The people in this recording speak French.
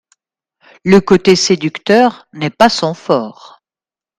Le côté séducteur N’est pas son fort !